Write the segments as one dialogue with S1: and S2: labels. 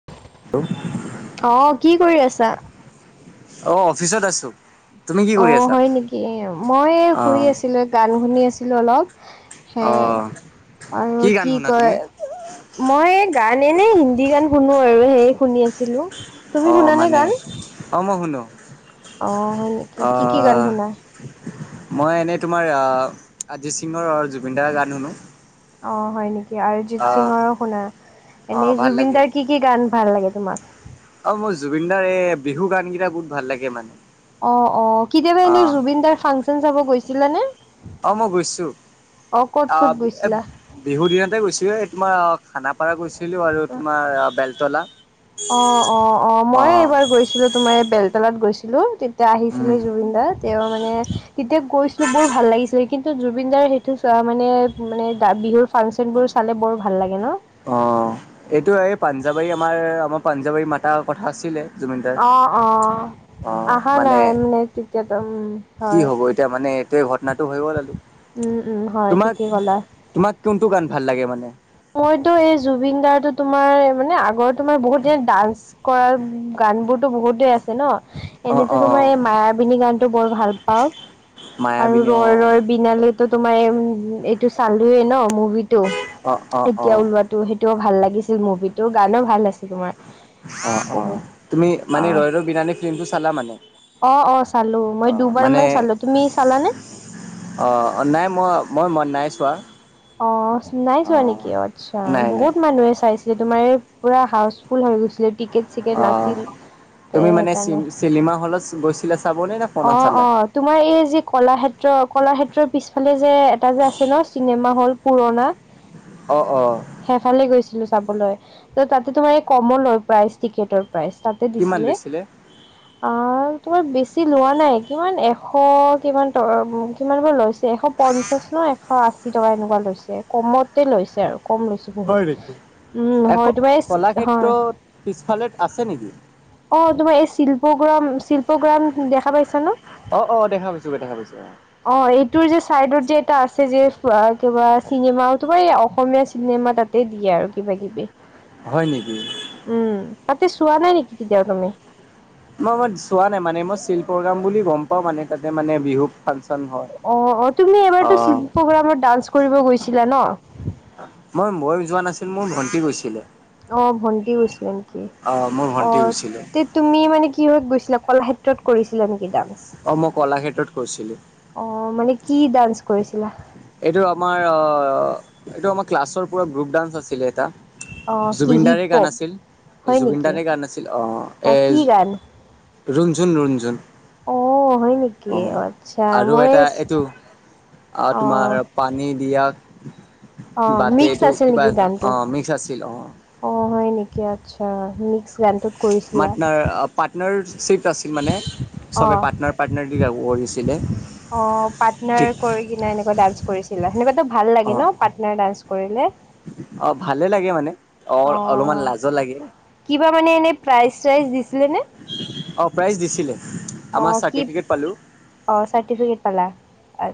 S1: হয় [unintelligible]
S2: অ কি কৰি আছা
S1: অ অফিচত আছো তুমি কি
S2: অ
S1: কৰি আছা
S2: হয় নেকি মই
S1: অ
S2: শুই আছিলো গান শুনি আছিলো অলপ সে
S1: অ
S2: আৰু
S1: গান
S2: কি
S1: শুনা
S2: কয়
S1: তুমি
S2: মই এ গান এনে হিন্দী গান শুনো আৰু সেই শুনি আছিলো।
S1: অ মানে অ মই শুনো।
S2: অ হয় নেকি
S1: অ
S2: কি কি গান শুনা।
S1: মই এনেই তোমাৰ আজিত সিঙৰ আৰু জুবিন দাৰ গান শুনো।
S2: অ হয় নেকি
S1: অ
S2: আৰজিত সিঙৰো শুনা
S1: অ
S2: এনেই
S1: ভাল লাগে
S2: জুবিনদাৰ কি কি গান ভাল লাগে তোমাক
S1: অ' মই জুবিনদাৰ এই বিহু গানকেইটা বহুত ভাল লাগে মানে।
S2: অঁ অঁ কেতিয়াবা
S1: অ
S2: এনেই জুবিন দাৰ ফাংচন চাব গৈছিলে নে?
S1: অঁ মই গৈছো
S2: ক'ত ক'ত
S1: আহ এ-
S2: গৈছিলা?
S1: বিহু দিনতে গৈছিলো এই তোমাৰ খানাপাৰা গৈছিলো আৰু তোমাৰ বেলতলা।
S2: অঁ অঁ অঁ
S1: অ
S2: মইয়ে এইবাৰ গৈছিলো তোমাৰ এই বেলতালাত গৈছিলো তেতিয়া
S1: উম
S2: আহিছিলে জুবিন দাৰ। তেওঁ মানে তেতিয়া গৈছিলো বৰ ভাল লাগিছিলে কিন্তু, জুবিন দাৰ সেইটো চোৱা মানে মানে বিহুৰ- ফাংচন বোৰ চালে বৰ ভাল লাগে ন।
S1: অ' এইটো এই পাঞ্জাৱাৰী আমাৰ আমাৰ পাঞ্জাৱাৰী মাতাৰ কথা আছিলে। জুবিন দাৰ।
S2: অঁ অঁ আহা নাই মানে তেতিয়াতো উম'
S1: কি
S2: হয়।
S1: হ'ব এতিয়া মানে এইটোৱে ঘটনাটো হৈ গ'ল আৰু।
S2: উম উম' হয়,
S1: তোমাক
S2: ঠিকেই কলা।
S1: তোমাক কোনটো গান ভাল লাগে মানে?
S2: মইতো এই জুবিন দাৰ তো তোমাৰ মানে আগৰ তোমাৰ বহুত দিন ডান্স- কৰাৰ গান বোৰতো বহুতেই আছে ন।
S1: অ'
S2: এনেতো তোমাৰ
S1: অ'
S2: এই মায়াবিনী গানতটো বৰ ভাল পাওঁ আৰু
S1: মায়াবিনী
S2: ৰই
S1: অ'
S2: ৰই- বিনালেটো তোমাৰ এ এইটো চালোয়ে ন মুভিটো।
S1: অ' অ'
S2: এতিয়া
S1: অ'।
S2: ওলোৱাটো সেইটোও ভাল লাগিছিল মুভিটো গানো ভাল আছিল তোমাৰ।
S1: অঁ অঁ
S2: বহুত
S1: তুমি মানে ৰয় ৰই বিনানে ফিল্মটো চালা মানে?
S2: অঁ অঁ চালো, মই
S1: অ'
S2: দুবাৰ
S1: মানে
S2: মান চালো তুমি চালানে?
S1: অ নাই মই মই মই নাই চোৱা।
S2: অহ' নাই চোৱা নেকি অ আৎচ্ছা
S1: নাই নাই
S2: বহুত মানুহে চাইছে। তোমাৰ এই পূৰা হাউচফুল হৈ গৈছিলে টিকেট চিকেট
S1: অ'।
S2: নাছিল তে
S1: তুমি মানে চি
S2: সেইকাৰণে।
S1: চিনেমা হলত গৈছিলে চাবনে না-
S2: অঁ অঁ তোমাৰ এই যি কলাক্ষেত্ৰ কলাসেত- ত্ৰ পিছফালে যে এটা যে আছে ন চিনেমা হল পুৰণা।
S1: অ অ'
S2: হেফালে গৈছিলো চাবলৈ ত তাতে তোমাৰ এই কমলো লয় প্ৰাইচ টিকেটৰ। প্ৰাইচ তাতে
S1: কিমান
S2: দিছিলে
S1: লৈছিলে?
S2: অঁ' তোমাৰ বেছি- ছি লোৱা নাই কিমান এশ কিমান টকা কিমান কৈ লৈছ- এশ পঞ্চাশ ন এশ আশী টকা এনেকুৱা লৈছে কমতে লৈছে আৰু কম লৈছে। বহুত উম' হয় তোমাৰ এইচ হয়।
S1: পিছফালেত আছে নেকি।
S2: অঁ তোমাৰ এই শিল্প গ্ৰাম শিল্প গ্ৰাম দেখা পাইছা ন?
S1: অঁ অঁ দেখা পাইছো অঁ দেখা পাইছোঁ অঁ।
S2: অঁ এইটোৰ যে চাইডত যে এটা আছে যে কিবা চিনেমা তোমাৰ এই অসমীয়া চিনেমা তাত- তে দিয়ে আৰু কিবা কিবি।
S1: হয় নিকি?
S2: উম' তাতে চোৱা নাই নেকি কেতিয়াও তুমি?
S1: মই মই চোৱা নাই মানে মই শিল্পগ্ৰাম বুলি গম পাওঁ মানে তাতে মানে বিহু ফাংচ-
S2: অঁ অঁ তুমি এবাৰতো শিল্প প্ৰগ্ৰামত ডান্স কৰিব গৈছিলা ন।
S1: মই মই যোৱা নাছিল, মোৰ ভন্টি গৈছিলে।
S2: অঁ ভণ্টি গৈছিলে নেকি।
S1: অ', মোৰ ভণ্টি
S2: অঁ
S1: গৈছিলে।
S2: তেত- তুমি মানে কিহত গৈছিলা, কলাক্ষেত্ৰত কৰিছিলা নেকি ডান্স?
S1: অ', মই কলাক্ষেত্ৰত গৈছিলোঁ।
S2: অঁ মানে কি ডান্স কৰিছিলা?
S1: এইটো আমাৰ অঁ এইটো আমাৰ ক্লাছৰ পৰা গ্ৰুপ ডান্স আছিলে এটা।
S2: অ' কি হিপ
S1: জুবিনদাৰেই গান
S2: হপ
S1: আছিল
S2: হয় নেকি
S1: জুবিনদাৰেই গান আছিল অঁ
S2: অ' কি গান
S1: এ- ৰুণজুন-ৰুণজুন
S2: অ, হয় নেকি আচ্ছা
S1: আৰু
S2: মই
S1: এটা এইটো আৰু তোমাৰ
S2: অ'
S1: পানী দিয়া।
S2: অ' মিক্স
S1: বাটেটো
S2: আছিল
S1: কিবা
S2: নেকি
S1: এ
S2: গানটো
S1: অ মিক্স আছিল অ',
S2: অ, হয় নেকি? আচ্ছা মিক্স গান
S1: মানে পাৰ্টনাৰশ্বিপ আছিল মানে। চবে
S2: অ'
S1: পাৰ্টনাৰ-পাৰ্টনাৰ দি কৰিছিলে।
S2: অ, পাৰ্টনাৰ
S1: ঠিক
S2: কৰি কিনা এনেকুৱা ডান্স কৰিছিলা সেনেকুৱো ভাল
S1: অ
S2: লাগে ন পাৰ্টনাৰ ডান্স কৰিলে।
S1: অ, ভালে লাগে মানে অ, অলপমান লাজো লাগে।
S2: কিবা মানে এনে প্ৰাইজ চাইজ দিছিলে নে?
S1: অ, প্ৰাইজ দিছিলো।
S2: অ, কি অ, চাৰ্টিফিকেট পালা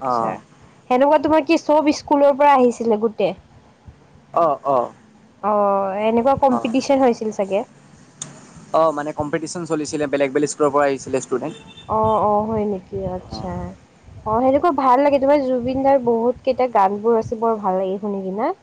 S1: অ
S2: সেনেকুৱা তোমাৰ কি চব স্কুলৰ পৰা আহিছিলে গোটেই।
S1: অ, অ,
S2: অ, এনেকুৱা
S1: অ
S2: কম্পিটিশন হৈছিল চাগে।
S1: অ মানেম্পিটিশন চলছিলে বেলেগ বলেগ স্কুলৰ পৰা আহিছিলে ষ্টুডেণ্ট।
S2: অ, অ, হয় নেকি? আচ্ছা, অ, সেইটোকো ভাল লাগে। তোমাৰ জুবিন দাৰ বহুত কেইটা গান বোৰ আছে বৰ ভাল লাগে শুনি কিনে।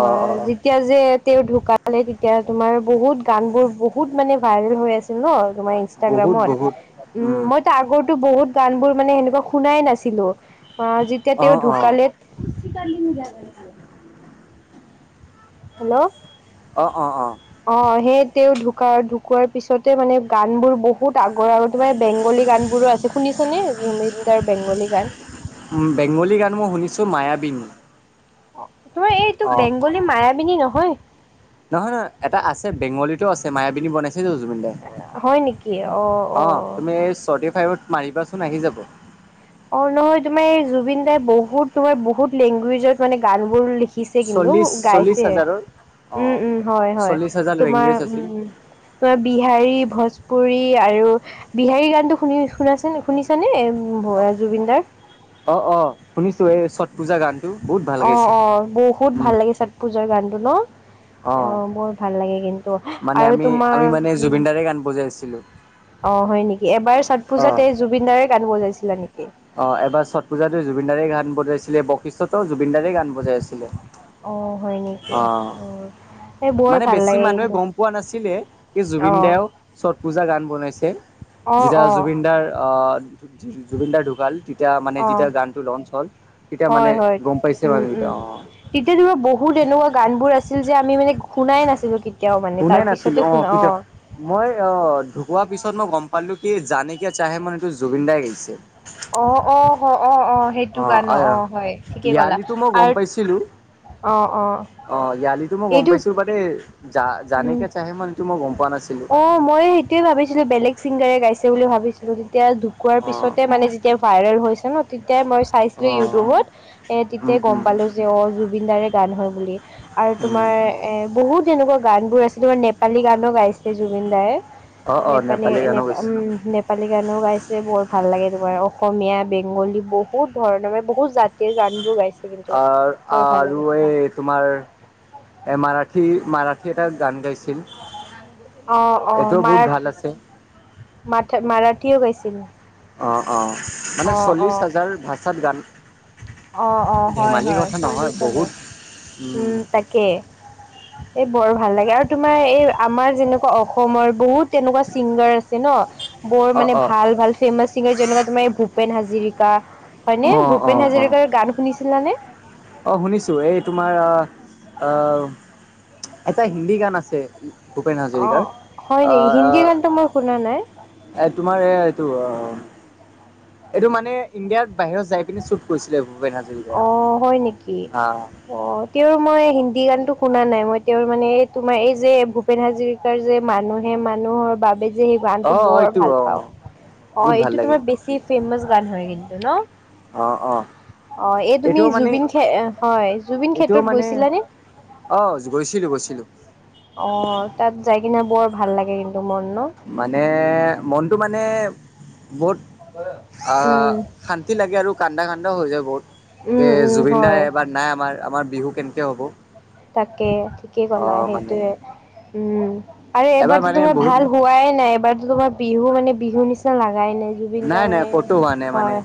S1: অ অ অ
S2: যি এতিয়া যে তেওঁৰ ঢুকালে তেতিয়া তোমাৰ বহুত গান বোৰ বহুত মানে ভাইৰেল হৈ আছিল ন তোমাৰ,
S1: বহুত বহুত
S2: ইনাগ্ৰামত উম মইতো আগো বহুত গান বোৰ মানে সেনেকুৱা শুনাই নাছিলো। অ, যেতিয়া
S1: অ
S2: তেওঁ
S1: অ
S2: ঢুকালে, হেল্লো',
S1: অঁ, অঁ, অঁ,
S2: অ, সেই তেওঁ ঢুকা ঢুকোৱাৰ পিছতে মানে গান বোৰ বহুত বহুত আগৰ আৰু তোমাৰ বেংগলী গান বোৰো আছে শুনিছানে জুমিনদাৰ বেংগলী গান।
S1: বেংগলী গান মই শুনিছোঁ মায়াবীনী।
S2: অ, তোমাৰ এইটো বেংগলী মায়াবিনী নহয়
S1: নহয় নহয় এটা আছে বেংগীতো আছে মায়াবিনী বনাইছে যে জুবিন দাই। অ, তুমি চৰ্টি ফাইত মাৰিবাচোন আহি যাব।
S2: অ, নহয় তোমাৰ এই জুবিন দাই বহুত তোমাৰ বহুত লেংগুৱেজত মানে গান বোৰ লিখি শিকিছে কিন্তু
S1: চল্লিশ চল্লিশ
S2: গাইছে।
S1: হাজাৰৰ
S2: উম,
S1: অ',
S2: উম, হয়-হয়
S1: চল্লিশ হাজাৰ লেংগুৱেজ
S2: তোমাৰ
S1: আছিল
S2: উম, বিহাৰী ভোজপুৰী আৰু বিহাৰীৰ গানটো শুনি শুনাছে শুনিছানে জুবিনদাৰ।
S1: অ, অ, শুনিছো এই ছট পূজা গান
S2: অ, অ বহুত ভাল লাগে ছট পুজৰ গানটো ন অ, বহুত ভাল লাগে কিন্তু
S1: মানে
S2: আৰু
S1: আমি
S2: তোমাৰ
S1: আমি মানে
S2: উম,
S1: জুবিন দাৰে গান বজাইছিলো
S2: অ, হয় নেকি, এবাৰ ছট পূজাতে
S1: অ'।
S2: জুবিন দাৰে গান বজাইছিলা নেকি?
S1: অ, এবাৰ ছট পূজাতো জুবিন দাৰেেই গান বজাইছিলে বৈশিষ্টতো জুবিন দাৰেই গান বজাই আছিলো।
S2: অ হয় নেকি
S1: অ,
S2: এই বৰ
S1: মানে
S2: ভাল
S1: বেছি
S2: লাগে
S1: মানুহে
S2: কিন্তু
S1: গম পোৱা নাছিলে। কি জুবিন
S2: অ
S1: দাও ছট পূজা গান বনাইছে
S2: অঁ
S1: যেতিয়া
S2: অঁ
S1: জুবিন দাৰ অহ, জুববিন দাহ ঢুকাল। তেতিয়া মানে
S2: অঁ
S1: যেতিয়া গান টো লঞ্চ হল তেতিয়া মানে গম পাইছে মানুহ বিলাক অ',
S2: তেতিযাওবহুত এনেকুৱা গান বোৰ আছিল যে আমি মানে শুনাই নাছিলো। এতিয়াও মানে তাৰ
S1: শুনাই নাছিলো
S2: পিছতে শুনা
S1: কেতিয়া
S2: অ',
S1: মই অ ঢুকোৱা পিছত মই গম পালো কি জানেকিয়া চাহে মন এইটো জুবিন দাই গাইছে
S2: অ অ অ অ অ সেইটো গান অ হয় ঠিকেই কলা
S1: য়ালিতো মই গম
S2: আৰু
S1: পাইছিলো
S2: অ অ
S1: অ য়ালিতো মই গম
S2: এইটো
S1: পাইছো বাট এই জা
S2: উম
S1: জানকে চাহে মন এইটো মই গম পোৱা নাছিলো
S2: তোৱে ভাবিছিলো বেলেগ চিংগাৰে গাইছে বুলি ভাবিছিলো তেতিয়া ঢুকোৱাৰ
S1: অ
S2: পিছতে মানে যে তেতিয়া ভাইৰেল হৈছে ন তেতিয়াই মই
S1: অ
S2: চাইছিলো ইউটিউবত এ
S1: উম
S2: তেতিয়াই গম
S1: উম
S2: পালো যে যে অ জুবিন দাৰে গান হয় বুলি আৰু তোমাৰ
S1: উম।
S2: এ বহুত এনেকুৱা গানবোৰ আছে তোমাৰ নেপালী গানো গাইছে জুবিন দাই
S1: অ', অ',
S2: নেপালী নে
S1: গানো
S2: উম
S1: গৈছে
S2: নেপ নেপালী গানো গাইছে বৰ ভাল লাগে তোমাৰ অসমীয়া বেংগলী বহুত ধৰণৰ বহুত জাত এই গান বোৰ গাইছ
S1: আ আৰু এই তোমাৰ এ মাৰাঠী মাৰাঠী এটা গান গাইছিল
S2: অ অ
S1: এইটোও বহুত
S2: মাৰা
S1: ভাল আছে
S2: মাথা মাৰাঠীও গাইছিল
S1: অ অ মানে
S2: অ',
S1: চল্লিশ হাজাৰ ভাচাত গান
S2: অঁ অঁ হয়
S1: ধেমালি
S2: হয়
S1: কথা নহয়
S2: চল্লিছ
S1: বহুত
S2: হাজাৰ উম তাকে এই বৰ ভাল লাগে আৰু তোমাৰ এই আমাৰ যেনেকুৱা অসমৰ বহুত তেনেকুৱা ছিংগাৰ আছে ন বৰ
S1: অ',
S2: মানে
S1: অ',
S2: ভাল
S1: অ',
S2: ভাল ফেমাচ ছিংগাৰ যেনেকুৱা তোমাৰ ভূপেন হাজিৰিকা হয়নে
S1: অ',
S2: ভূপেন
S1: অ', অ',
S2: হাজৰিকাৰ গান শুনিছিলানে
S1: অ শুনিছো এই তোমাৰ আহ আহ এটা হিন্দী গান আছে ভূপেন
S2: অ
S1: হাজৰিকাৰ
S2: হয়
S1: অ
S2: নি
S1: অ
S2: হিন্দী গানটো মই শুনা নাই
S1: এ তোমাৰ এই এইটো অ এইটো মানে ইণ্ডিয়াত বাহিৰত যাই পিনে চুট কৰিছিলে ভূপেন হাজ
S2: অ হয় নিকি অ তেওঁৰ মই হিন্দী গানতো শুনা নাই মই তেওঁৰ মানে এই তোমাৰ এই যে ভুপ ভূপেন হাজৰিকাৰ যে মানুহে মানুহৰ বাবে সেই গানটো
S1: অ',
S2: বৰ
S1: এইটো
S2: ভাল পাওঁ
S1: অ'।
S2: অ
S1: বহুত ভাল
S2: এইটো তোমাৰ
S1: লাগে
S2: বেছি ফেমাচ গান হয় কিন্তু ন
S1: অঁ অঁ
S2: অ এই তুমি জুবিন খে হয় জুবিন
S1: এইটোও
S2: ক্ষেত্ৰত
S1: মানে
S2: গৈছিলানে
S1: অ গৈছিলো গৈছিলো
S2: অ তাত যাই কিনে বৰ ভাল লাগে কিন্তু মন ন
S1: মানে মনটো মানে বহুত
S2: [unintelligible]
S1: আহ শান্তি লাগে আৰু কান্দা কান্দাও হৈ যাও বহুত এ
S2: উম, উম,
S1: জুবিনদাই
S2: হয়
S1: এবা নাই আমাৰ আমাৰ বিহু কেনেকে হ'ব
S2: তাকে ঠিকেই
S1: অ
S2: কলা
S1: মানে
S2: সেইটোয়ে উম আৰু
S1: এবাৰ
S2: এইবাৰতো
S1: মানে
S2: তোমাৰ
S1: বহুত
S2: ভাল হোৱাই নাই এবাৰতো তোমাৰ বিহু মানে বিহু নিচিনা লাগাই নাই যি
S1: নাই নাই ক'তো হোৱা নাই মানে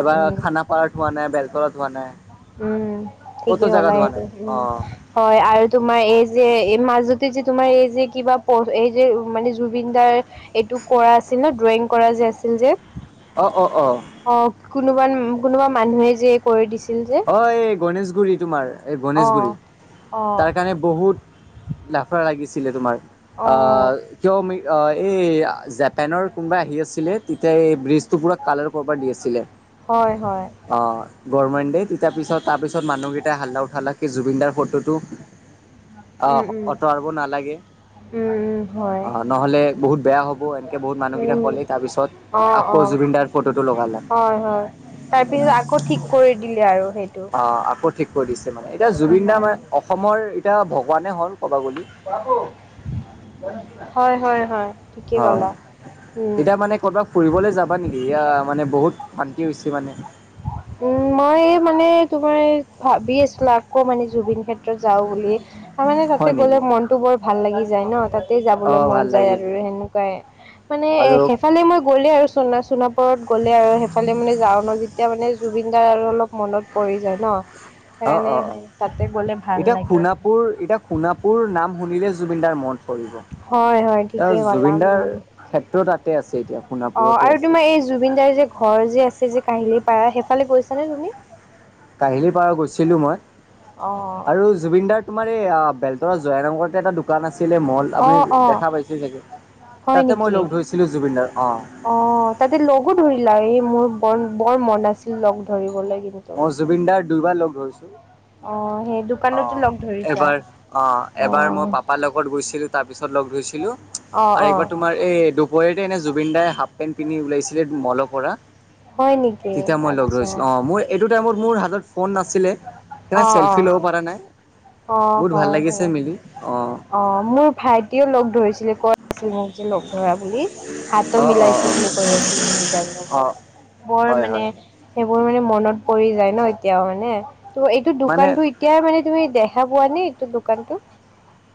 S1: এবাৰ
S2: উম।
S1: খানাপাৰাত হোৱা নাই বেলতলাত হোৱা নাই
S2: উম
S1: ক'তো
S2: ঠিকেই ক'লা
S1: জেগাত হোৱা
S2: এইটো
S1: নাই অ
S2: উম হয় আৰু তোমাৰ এই যে এই মাজতে যে তোমাৰ এই যে কিবা এই যে মানে জুবিনদাৰ এইটো কৰা আছিল ন ড্ৰয়িং কৰা যে আছিল যে
S1: অ অ অ
S2: অ কোনোবান কোনোবা মানুহে যে কৰি দিছিল যে
S1: অ এই গণেশগুৰি তোমাৰ এই
S2: অ
S1: গণেশগুৰি
S2: অ
S1: তাৰ কাৰণে বহুত লাফৰা লাগিছিলে তোমাৰ
S2: অ
S1: আহ কিয় মি অ এই জাপেনৰ কোনোবা আহি আছিলে তেতিয়া এই ব্ৰিজটো পুৰা কালাৰ কৰবাত দি আছিলে।
S2: হয় হয়।
S1: অ গৱৰমেণ্ট। তাৰ পিছত তাৰপিছত মানুহকেইটা হাল্লা উঠালা জুবিনদাৰ ফটো টো- অ
S2: উম উম
S1: অঁতবৰ নালাগে।
S2: উম উম হয়।
S1: অঁ নহ'লে বহুত বেয়া হ'ব এনেকৈ বহুত মানুহকেইটা
S2: উম
S1: ক'লে তাৰপিছত-
S2: অ
S1: আকৌ
S2: অ
S1: জুবিনদাৰ ফটো টো লগালা।
S2: হয় হয়। তাৰ পিছত আকৌ ঠিক কৰি দিলে আৰু সেইটো।
S1: অ আকৌ ঠিক কৰি দিছে মানে এতিয়া
S2: উম
S1: জুবিন দাৰ
S2: উম
S1: অসমৰ এতিয়া ভগৱানে হ'ল ক'ব গ'লে।
S2: হয় হয় হয়। ঠিকেই
S1: হয়,
S2: ক'লা উম
S1: এতিয়া মানে কৰ'বাত- ফুৰিবলৈ যাবা নেকি এয়া মানে বহুত শান্তি হৈছে মানে।
S2: উম মই মানে তোমাৰ ভাবি আছিলো আকৌ মানে জুবিন ক্ষেত্ৰত যাওঁ বুলি। তাৰমানানে তাতে
S1: হয়
S2: গ'লে
S1: নেকি
S2: মনতটো বৰ ভাল লাগি যায় ন তাত। তা
S1: অ
S2: যাবলৈ
S1: ভাল
S2: মন যায় আৰু
S1: লাগিছে
S2: সেনেকুৱাই মানে এ
S1: আৰু
S2: সেইফালে মই গ'লে আৰু চোণাপত- গলে আৰু সেইফালে মানে যাওঁ ন যেতিয়া মানে জুবিনদাৰ আৰু অলপ মনত পৰি যায় ন।
S1: অ
S2: সেইকাৰণে তাতে গ'লে ভাল লাগে।
S1: পুৰ এতিয়া সোণাপুৰ নাম শুনিলে জুবিনদাৰ মন
S2: হয় হয়
S1: পৰিব।
S2: ঠিকেই ক'লা
S1: জুবিনদাৰ
S2: উম।
S1: ক্ষেত্ৰ তাতে আছে এতিয়া
S2: অ'
S1: সোণাপুৰতে
S2: আৰু
S1: আছে।
S2: তোমাৰ এই জুবিন দাৰ যে ঘৰ যে আছে যে কাহিলি পাৰা সেইফালে গৈছা নে তুমি?
S1: কাহিলীৰ পাৰ গৈছিলো মই,
S2: অ'।
S1: আৰু জুবিনদাৰ- তোমাৰ এই বেলতৰা জয় নগৰতে এটা দু দোকান আছিলে মল
S2: অ',
S1: আপুনি
S2: অ'
S1: দেখা পাইছে চাগে,
S2: হয়
S1: তাতে মই
S2: নেকি?
S1: লগ ধৰিছিলো জুবিনদাৰ অ।
S2: অ তাতে লগো ধৰিলা এই মোৰ ব বৰ মন আছিল লগ ধৰিবলৈ কিন্তু।
S1: মই জুবিন দাৰ দুবাৰ লগ ধৰিছো।
S2: অ সেইটো।
S1: অ এবাৰ অ এবাৰ মই পাপাৰ লগত গৈছিলো তাৰ পিছত লগ ধৰিছিলো।
S2: অঁ
S1: আৰু একবাৰ
S2: অঁ।
S1: তোমাৰ এই দুপৰীয়াতে এনে জুবিন দাই হাফ পেণ্ট পিন্ধি ওলাইছিলে মলৰ পৰা।
S2: হয় নেকি
S1: তেতিয়া মই লগ
S2: আচ্ছা
S1: ধৰিছিলো অ মোৰ- এইটো টাইমত মোৰ হাতত ফোন নাছিলে,
S2: অ
S1: সেইকাৰণে
S2: অ
S1: চেল্ফি ল'ব পৰা নাই। বহুত ভাল লাগিছে মিলি অ।
S2: অঁহ মোৰ ভাইটিয়ে লগ ধৰিছিলে কৈ আছিল মোক যে লগ ধৰা বুলি। হাতো
S1: অ' অ'
S2: মিলাইছে বুলি কৈ আছে জুবিনদাৰ
S1: অ' অ'
S2: লগত, বৰ
S1: হয় হয়
S2: মানে- সেইবোৰ মানে মনত পৰি যায় ন এতিয়াও মানে ত এইটো
S1: মানে
S2: দোকানতটো এতিয়াই মানে তুমি দেখ দেখা পোৱা নে এইটো দোকানটো।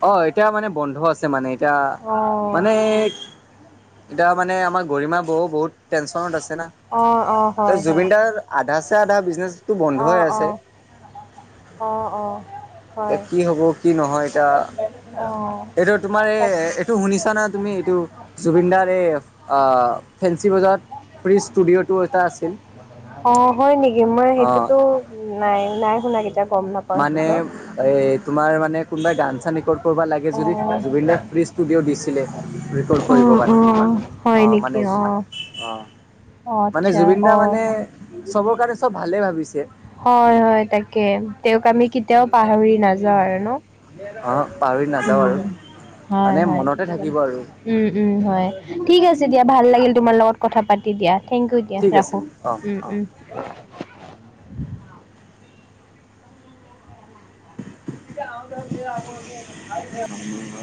S1: অ এতিয়া মানে বন্ধ আছে মানে এতিয়া,
S2: অ
S1: মানে- এতিয়া মানে আমাৰ গৰিমা বৌ বহুত টেনচনত আছে না,
S2: অঁ, অঁ,
S1: ত
S2: হয়,
S1: জুবিনদাৰ- আধাছে আধা বিজনেছ-
S2: অ অ, অ অ।
S1: এতিয়া কি হ'ব কি নহয় এতিয়া,
S2: অঁ।
S1: এইটো তোমাৰ এই
S2: তাকে,
S1: এইটো শুনিছা না তুমি এইটো- জুবিনদাৰ এই ফেঞ্চি বজাৰত- ফিৰি ষ্টুডিঅ'টো এটা আছিল,
S2: অঁ, হয় নেকি? মই
S1: অ।
S2: সেইটোতো নাই নাই শুনা কেইতিয়া গম নাপাওঁ সেইটোতো
S1: এ তোমাৰ মানে কোনোবাই গান চান কৰ কৰবা লাগে যদি
S2: অঁ,
S1: জুবিনদাই ফ্ৰী ষ্টুডিঅ' দিছিলে ৰিকৰ্ড
S2: উম,
S1: কৰিবৰ কাৰণে
S2: উম,
S1: অ
S2: হয় নেকি
S1: মানে
S2: অ
S1: অ মানে জুবিন দা মানে চবৰ কাৰণে চব ভালে ভাবিছে
S2: হয় হয় তাকে তেওঁক আমি কেতিয়াও পাহৰি নাযাওঁ আৰু ন
S1: অ পাহৰি
S2: উ
S1: নাযাওঁ আৰু
S2: হয়
S1: মানে
S2: হয়
S1: মনতে
S2: ঠিকে
S1: থাকিব আৰু
S2: ভাবিছে উম উম হয় ঠিক আছে দিয়া ভাল লাগিল তোমাৰ লগত কথা পাতি দিয়া থেংক ইউ দিয়া
S1: ঠিক আছে
S2: ৰাখোঁ
S1: অ অ
S2: অ
S1: [unintelligible]
S2: [unintelligible]
S1: অ